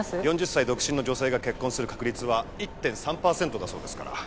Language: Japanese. ４０歳独身の女性が結婚する確率は１．３％だそうですから。